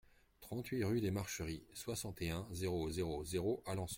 trente-huit rue des Marcheries, soixante et un, zéro zéro zéro, Alençon